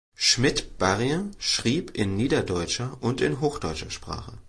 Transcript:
Schmidt-Barrien schrieb in niederdeutscher und in hochdeutscher Sprache.